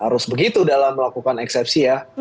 harus begitu dalam melakukan eksepsi ya